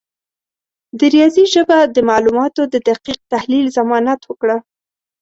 د ریاضي ژبه د معلوماتو د دقیق تحلیل ضمانت وکړه.